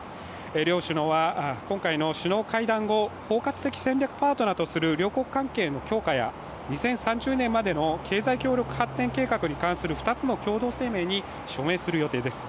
両首脳は今回の首脳会談後、包括的戦略パートナーとする両国関係の強化や２０３０年までの経済協力発展計画に関する２つの共同声明に署名する予定です。